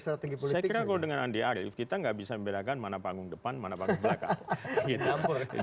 saya kira kalau dengan andi arief kita nggak bisa membedakan mana panggung depan mana panggung belakang